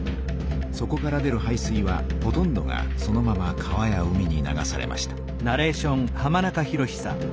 そこから出る排水はほとんどがそのまま川や海に流されました。